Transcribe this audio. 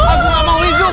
aku gak mau ibu